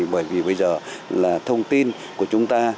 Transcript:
bởi vì bây giờ là thông tin của chúng ta